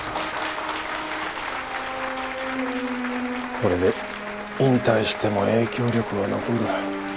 これで引退しても影響力は残る。